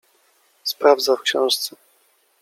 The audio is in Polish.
Sprawdza w książce.